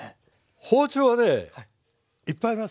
包丁はねいっぱいありますよ。